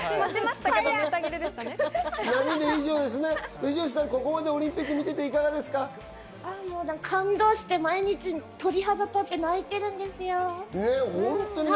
藤吉さん、ここまでオリンピ感動して、毎日、鳥肌立って泣いてるんですよ。